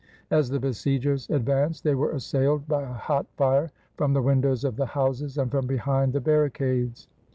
As the besiegers advanced they were assailed by a hot fire from the windows of the houses, and from behind the barricades.